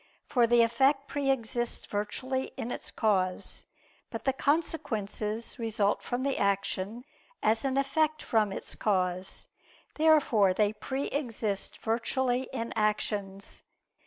For the effect pre exists virtually in its cause. But the consequences result from the action as an effect from its cause. Therefore they pre exist virtually in actions.